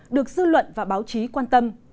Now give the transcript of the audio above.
được dư luận và báo chí quan tâm